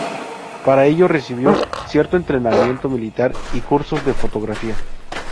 Para ello recibió cierto entrenamiento militar y cursos de fotografía.